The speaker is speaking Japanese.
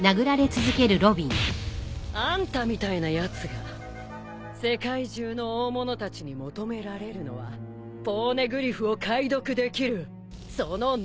あんたみたいなやつが世界中の大物たちに求められるのはポーネグリフを解読できるその脳！